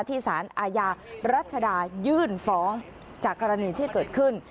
สารอาญารัชดายื่นฟ้องจากกรณีที่เกิดขึ้น